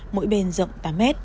mỗi bên rộng tám m